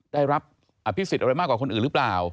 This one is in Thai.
ได้รับอภิษฎอะไรมากกว่าคนอื่นหรือเปล่า